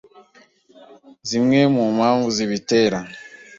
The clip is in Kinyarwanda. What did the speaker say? Zimwe mu mpamvu zibitera